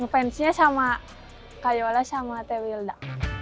fansnya sama kayola sama teh wilda